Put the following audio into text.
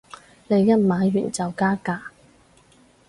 你一買完就加價